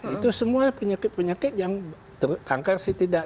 itu semua penyakit penyakit yang tertangkap sih tidak